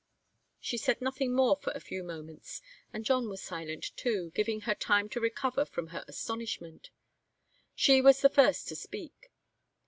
She said nothing more for a few moments, and John was silent, too, giving her time to recover from her astonishment. She was the first to speak.